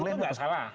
tapi itu nggak salah